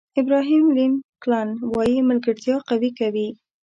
ابراهیم لینکلن وایي ملګرتیا قوي کوي.